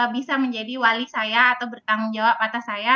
bisa menjadi wali saya atau bertanggung jawab atas saya